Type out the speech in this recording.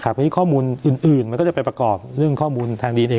เพราะฉะนั้นข้อมูลอื่นมันก็จะไปประกอบเรื่องข้อมูลทางดีเอน